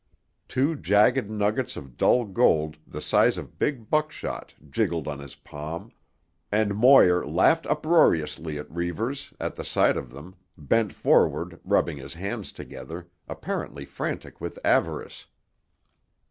Two jagged nuggets of dull gold the size of big buckshot jiggled on his palm, and Moir laughed uproariously as Reivers, at the sight of them, bent forward, rubbing his hands together, apparently frantic with avarice.